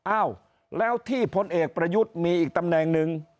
อ้าวแล้วที่พลเอกประยุทธ์มีอีกตำแหน่งหนึ่ง